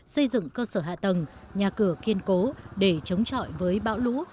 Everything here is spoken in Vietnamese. xây dựng cơ sở hạ tầng nhà cửa kiên cố để chống chọi với bão lũ